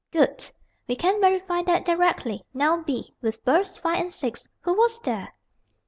"Good! we can verify that directly. Now, b, with berths 5 and 6. Who was there?"